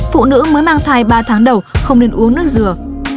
phụ nữ mới mang thai ba tháng đầu không nên uống nước dừa